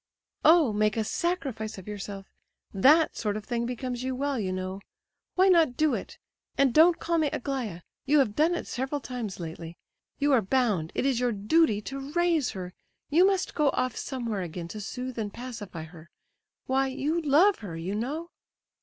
"Oh, make a sacrifice of yourself! That sort of thing becomes you well, you know. Why not do it? And don't call me 'Aglaya'; you have done it several times lately. You are bound, it is your duty to 'raise' her; you must go off somewhere again to soothe and pacify her. Why, you love her, you know!"